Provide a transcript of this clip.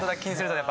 やっぱ？